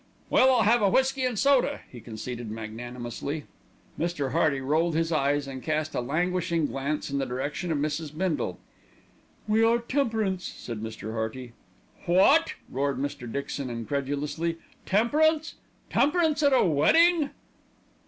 "Well, I'll have a whisky and soda," he conceded magnanimously. Mr. Hearty rolled his eyes and cast a languishing glance in the direction of Mrs. Bindle. "We are temperance," said Mr. Hearty. "What!" roared Mr. Dixon incredulously. "Temperance! temperance at a wedding!"